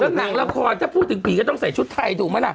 หนังละครถ้าพูดถึงผีก็ต้องใส่ชุดไทยถูกไหมล่ะ